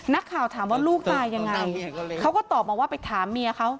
นักข่าวถามว่าลูกตายยังไงเขาก็ตอบมาว่าไปถามเมียเขา